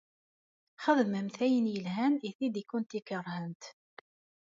Xedmemt ayen ilhan i tid i kent-ikeṛhen.